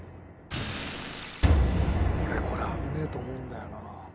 俺これ危ねえと思うんだよな。